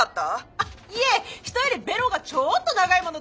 あいえ人よりベロがちょっと長いもので。